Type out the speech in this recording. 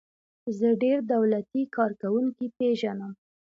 زه ډیر دولتی کارکوونکي پیژنم.